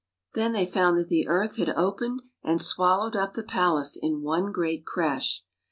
Then they found that the earth had opened and swallowed up the palace in one great crash.